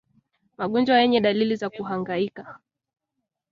Magonjwa yenye dalili za Kuhangaika